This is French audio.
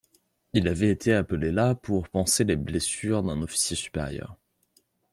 Il avait été appelé là pour panser les blessures d'un officier supérieur.